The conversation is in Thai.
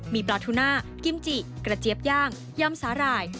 มีปลาทูน่ากิมจิกระเจี๊ยบย่างยำสาหร่าย